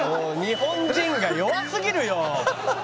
「日本人が弱すぎるよ！」